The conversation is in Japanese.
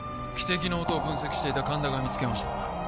汽笛の音を分析していた神田が見つけました